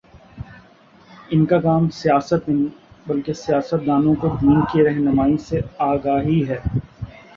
ان کا کام سیاست نہیں، بلکہ سیاست دانوں کو دین کی رہنمائی سے آگاہی ہے